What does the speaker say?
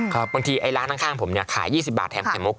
บางทีร้านข้างขาย๒๐บาทแถมแข่มมุก